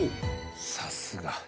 「さすが」